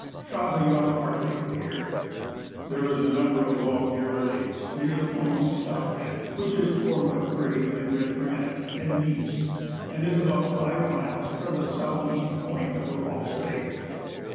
Shot a young Arctic hare. There is a number of long narrow lakes near the point we stopped at, which is formed of grey and red granite and gneiss, and is about five miles from the S.E. point of Repulse Bay.